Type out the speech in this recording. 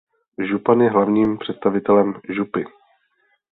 Župan je hlavním představitelem župy.